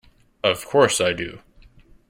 Of course I do!